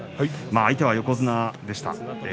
相手は横綱でした。